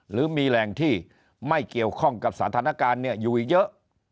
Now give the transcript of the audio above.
หรือมีแหล่งที่ไม่เกี่ยวข้องกับสถานการณ์อยู่อีกเยอะ